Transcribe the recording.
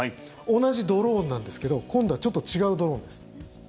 同じドローンなんですけど今度はちょっと違うドローンです。